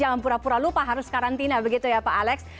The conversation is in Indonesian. lalu pak harus karantina begitu ya pak alex